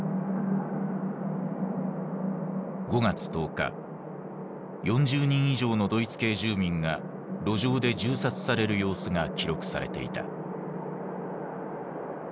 ５月１０日４０人以上のドイツ系住民が路上で銃殺される様子が記録されていた。